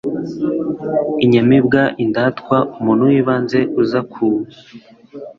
inyamibwa indatwa, umuntu w'ibanze uza ku